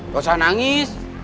gak usah nangis